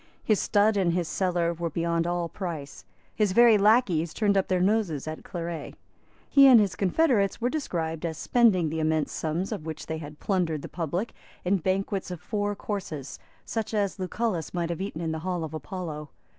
His stud and his cellar were beyond all price. His very lacqueys turned up their noses at claret. He and his confederates were described as spending the immense sums of which they had plundered the public in banquets of four courses, such as Lucullus might have eaten in the Hall of Apollo.